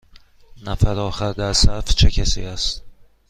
نفر آخر در صف چه کسی است؟